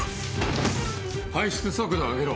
排出速度を上げろ。